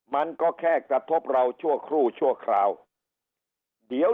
มันก็แค่กระทบเราชั่วครู่ชั่วคราวเดี๋ยว